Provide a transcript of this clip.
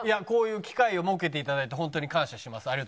こういう機会を設けていただいて本当に感謝します。